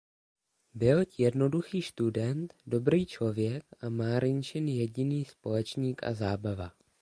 Bylť jednoduchý študent, dobrý člověk, a Márinčin jediný společník a zábava.